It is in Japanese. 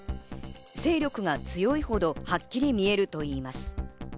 勢力が強いほどはっきり見えるといいます。